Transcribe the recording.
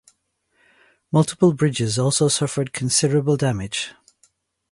Multiple bridges also suffered considerable damage.